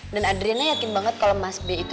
dan adriana yakin banget kalau mas be itu